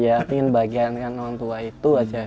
iya ingin bagiankan orang tua itu aja